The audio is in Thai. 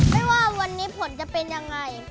ไม่ว่าวันนี้ผลจะเป็นยังไง